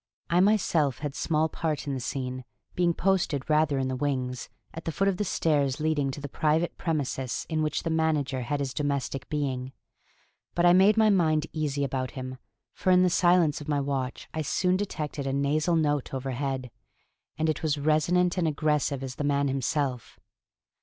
I myself had small part in the scene, being posted rather in the wings, at the foot of the stairs leading to the private premises in which the manager had his domestic being. But I made my mind easy about him, for in the silence of my watch I soon detected a nasal note overhead, and it was resonant and aggressive as the man himself.